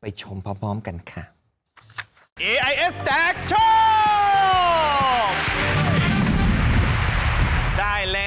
ไปชมพร้อมกันค่ะ